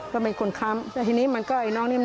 ก็เป็นคนค้ำแล้วทีนี้มันก็ไอ้น้องนี่